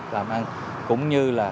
làm ăn cũng như là